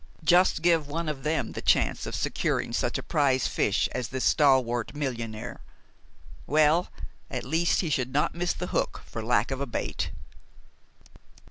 Just give one of them the chance of securing such a prize fish as this stalwart millionaire! Well, at least he should not miss the hook for lack of a bait.